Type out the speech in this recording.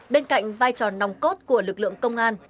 bên cạnh vai trò nòng cốt của lực lượng công an